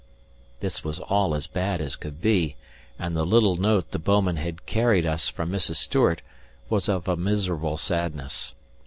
This was all as bad as could be; and the little note the bouman had carried us from Mrs. Stewart was of a miserable sadness.